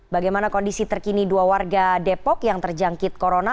bagaimana kondisi terkini dua warga depok yang terjangkit corona